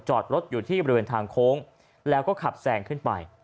จอดรถอยู่ที่บริเวณทางโค้งแล้วก็ขับแซงขึ้นไป